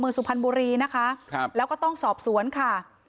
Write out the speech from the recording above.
สุพรรณบุรีนะคะครับแล้วก็ต้องสอบสวนค่ะ